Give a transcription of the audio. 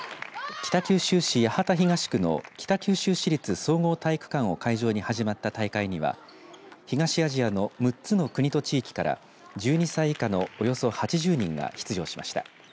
北九州市八幡東区の北九州市立総合体育会を会場に始まった大会には東アジアの６つの国と地域から１２歳以下のおよそ８０人が出場しました。